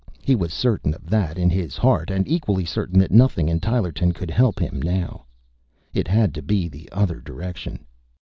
He was certain of that in his heart and equally certain that nothing in Tylerton could help him now. It had to be the other direction.